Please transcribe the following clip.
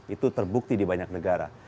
itu terbukti di banyak negara